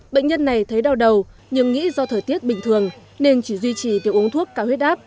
bệnh nhân này thấy đau đầu nhưng nghĩ do thời tiết bình thường nên chỉ duy trì tiêu uống thuốc cao huyết áp